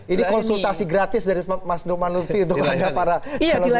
ini konsultasi gratis dari mas numan lutfi untuk hanya para calon guru dan calon guru